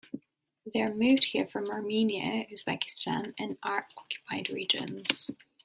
They are moved here from Armenia, Uzbekistan and our occupied regions.